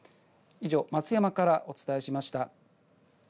以上、松山からお伝えしました。